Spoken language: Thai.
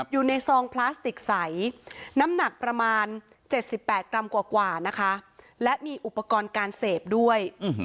ซองพลาสติกใสน้ำหนักประมาณ๗๘กรัมกว่านะคะและมีอุปกรณ์การเสพด้วย